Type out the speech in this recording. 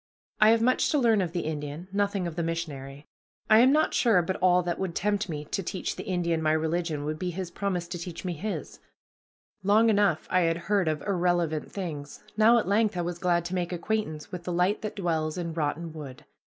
I have much to learn of the Indian, nothing of the missionary. I am not sure but all that would tempt me to teach the Indian my religion would be his promise to teach me his. Long enough I had heard of irrelevant things; now at length I was glad to make acquaintance with the light that dwells in rotten wood.